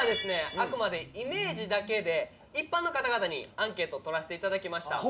あくまでイメージだけで一般の方々にアンケート取らせて頂きました。